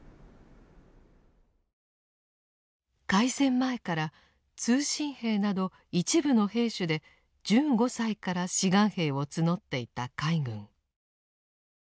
開戦前から「通信兵」など一部の兵種で１５歳から「志願兵」を募っていた海軍。